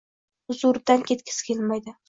huzuridan ketgisi kelmaydi.